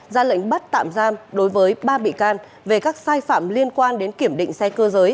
ra lệnh bắt tạm giam đối với ba bị can về các sai phạm liên quan đến kiểm định xe cơ giới